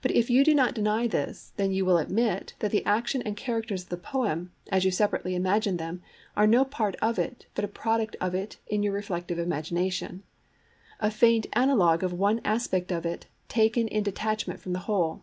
But if you do not deny this, then you will admit that the action and characters of the poem, as you separately imagine them, are no part of it, but a product of it in your reflective imagination, a faint analogue of one aspect of it taken in detachment from the whole.